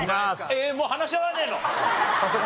えっもう話し合わねえの！？